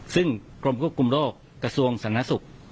ซึ่งกรมคุกกลุ่มโรคกระทรวงศาสนสุข